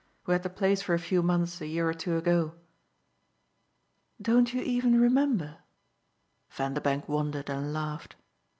who had the place for a few months a year or two ago." "Don't you even remember?" Vanderbank wondered and laughed.